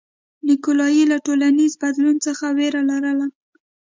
نیکولای له ټولنیز بدلون څخه وېره لرله.